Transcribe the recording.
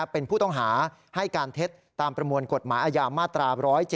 เป็นผู้ต้องหาให้การเท็จตามประมวลกฎหมายอาญามาตรา๑๗